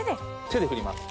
手で振ります